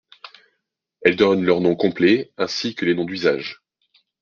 Elle donne leurs noms complets, ainsi que les noms d'usage.